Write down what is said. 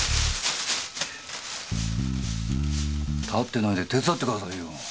立ってないで手伝ってくださいよ。